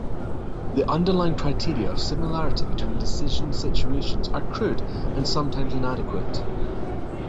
"The underlying criteria of similarity between decision situations are crude and sometimes inadequate".